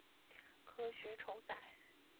科学酬载